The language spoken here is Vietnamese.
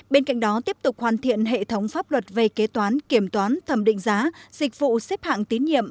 bên cạnh đó tiếp tục hoàn thiện hệ thống pháp luật về kế toán kiểm toán thẩm định giá dịch vụ xếp hạng tín nhiệm